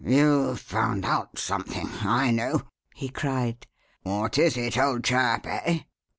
"You've found out something, I know!" he cried. "What is it, old chap eh?"